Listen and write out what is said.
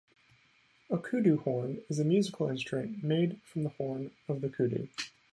A kudu horn is a musical instrument made from the horn of the kudu.